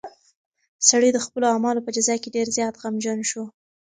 سړی د خپلو اعمالو په جزا کې ډېر زیات غمجن شو.